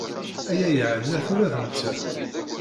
Aya yeɛna-t ula d netta.